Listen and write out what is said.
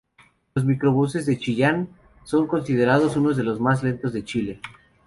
Los microbuses de Chillán son considerados unos de los más lentos de Chile.